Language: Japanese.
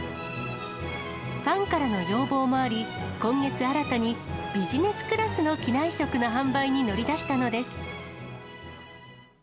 ファンからの要望もあり、今月新たにビジネスクラスの機内食の販売に乗り出したのです。